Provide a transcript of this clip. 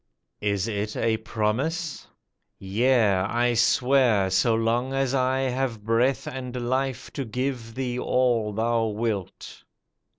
"Is it a promise?" "Yea, I swear So long as I have breath and life To give thee all thou wilt."